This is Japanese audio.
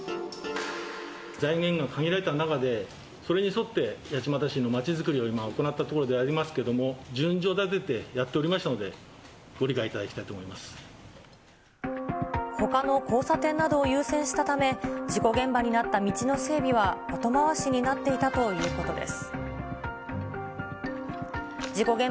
財源が限られた中で、それに沿って八街市の町づくりを今、行ったところでありますけれども、順序立ててやっておりましたので、ご理解いただきたいと思ほかの交差点などを優先したため、事故現場になった道の整備は後回しになっていたということです。